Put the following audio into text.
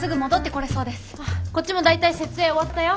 こっちも大体設営終わったよ。